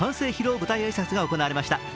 舞台挨拶が行われました。